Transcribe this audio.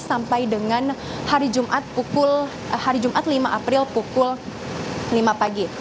sampai dengan hari jumat hari jumat lima april pukul lima pagi